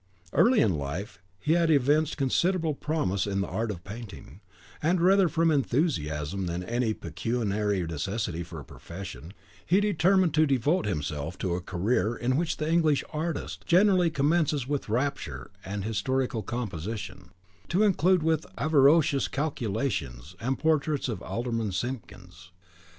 Early in life he had evinced considerable promise in the art of painting, and rather from enthusiasm than any pecuniary necessity for a profession, he determined to devote himself to a career in which the English artist generally commences with rapture and historical composition, to conclude with avaricious calculation and portraits of Alderman Simpkins.